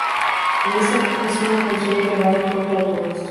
Esta es una canción que va en contra de todo eso.